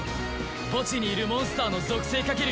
墓地にいるモンスターの属性かける